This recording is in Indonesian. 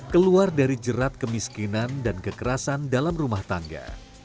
keluar dari jerat kemiskinan dan kekerasan dalam rumah tangga